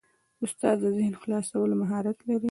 استاد د ذهن خلاصولو مهارت لري.